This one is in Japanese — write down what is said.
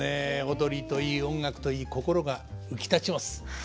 踊りといい音楽といい心が浮き立ちます。